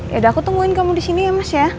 yaudah aku tungguin kamu di sini ya mas ya